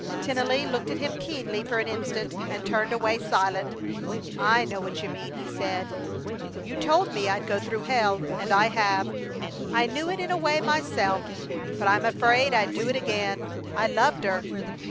Tennelly looked at him keenly for an instant and turned away, silent. "I know what you mean," he said. "You told me I'd go through hell, and I have. I knew it in a way myself, but I'm afraid I'd do it again! I loved her!